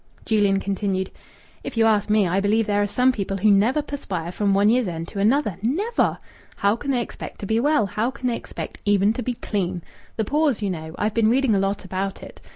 Julian continued "If you ask me, I believe there are some people who never perspire from one year's end to another. Never! How can they expect to be well? How can they expect even to be clean? The pores, you know. I've been reading a lot about it.